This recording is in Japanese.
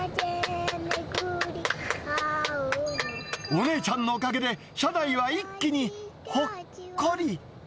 お姉ちゃんのおかげで、車内は一気にほっこり。